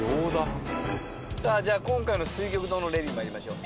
さあじゃあ今回の「翠玉堂」のレビューまいりましょう。